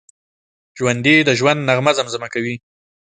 ژوندي د ژوند نغمه زمزمه کوي